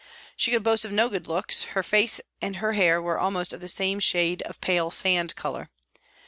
She could boast of no good looks, her face and her hair were of almost the same shade of pale sand colour.